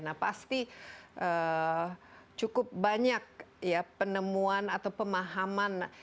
nah pasti cukup banyak ya penemuan atau pemahaman